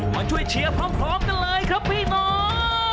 มาช่วยเชียร์พร้อมกันเลยครับพี่น้อง